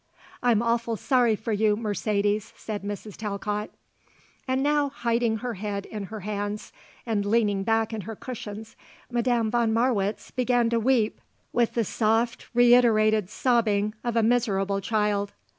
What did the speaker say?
"I'm awful sorry for you, Mercedes," said Mrs. Talcott. And now, hiding her face in her hands and leaning back in her cushions, Madame von Marwitz began to weep with the soft reiterated sobbing of a miserable child.